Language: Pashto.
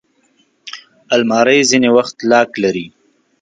الماري ځینې وخت لاک لري